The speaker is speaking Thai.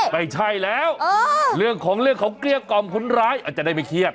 ไม่ใช่แล้วเรื่องของเรื่องของเกลี้ยกล่อมคนร้ายอาจจะได้ไม่เครียด